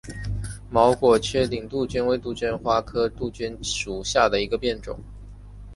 毛果缺顶杜鹃为杜鹃花科杜鹃属下的一个变种。